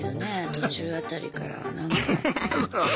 途中辺りからなんか。